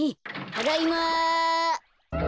ただいま。